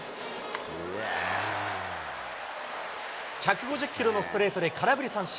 １５０キロのストレートで空振り三振。